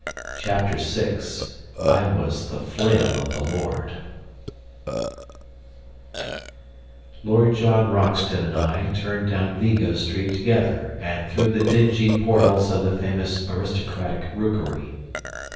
CHAPTER VI "I was the Flail of the Lord" Lord John Roxton and I turned down Vigo Street together and through the dingy portals of the famous aristocratic rookery.